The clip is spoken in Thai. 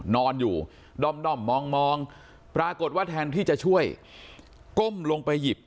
นอนอยู่ด้อมมองปรากฏว่าแทนที่จะช่วยก้มลงไปหยิบ